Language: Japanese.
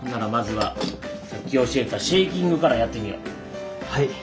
はい。